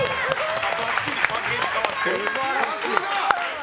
さすが！